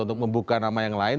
untuk membuka nama yang lain